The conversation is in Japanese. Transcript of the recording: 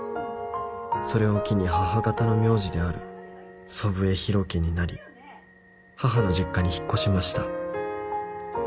「それを機に母方の名字である祖父江広樹になり」「母の実家に引っ越しました」